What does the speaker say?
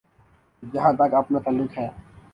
جہاں تک اپنا تعلق ہے۔